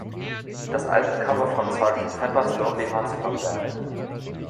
Das Albumcover von „Sergeant Peppers Lonely Hearts Club Band“.